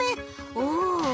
おお。